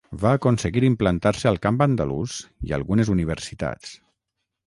Va aconseguir implantar-se al camp andalús i algunes universitats.